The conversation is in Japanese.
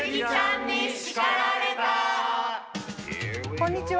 こんにちは。